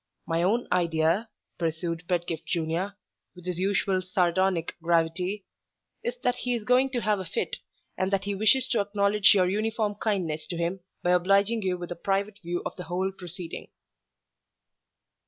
My own idea," pursued Pedgift Junior, with his usual, sardonic gravity, "is that he is going to have a fit, and that he wishes to acknowledge your uniform kindness to him by obliging you with a private view of the whole proceeding."